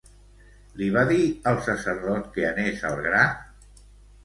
Li va dir al sacerdot que anés al gra?